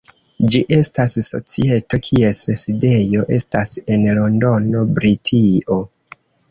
Ĝi estas societo kies sidejo estas en Londono, Britio.